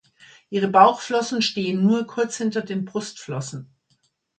Ihre Bauchflossen stehen nur kurz hinter den Brustflossen.